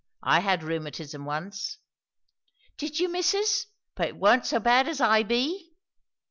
I had rheumatism once." "Did you, missus! But it warn't so bad as I be?"